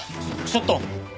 ちょっと！